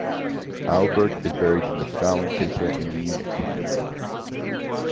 Albert is buried in the Frauenkirche in Munich.